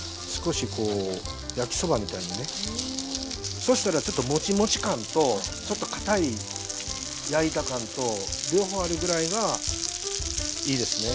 そしたらちょっとモチモチ感とちょっとかたい焼いた感と両方あるぐらいがいいですね。